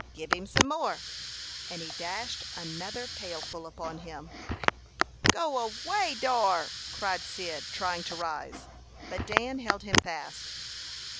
Gib him some more;" and he dashed another pailful upon him. "Go away dar!" cried Cyd, trying to rise; but Dan held him fast.